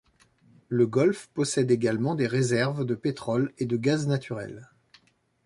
Le golfe possède également des réserves de pétrole et de gaz naturel.